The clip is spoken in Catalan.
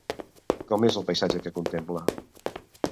Com és el paisatge que contempla?